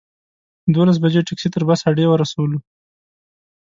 دولس بجې ټکسي تر بس اډې ورسولو.